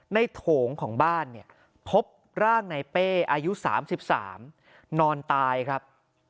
โถงของบ้านเนี่ยพบร่างในเป้อายุ๓๓นอนตายครับ